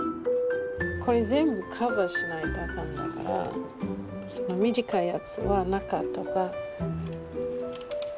これ全部カバーしないとあかんだから短いやつは中とか。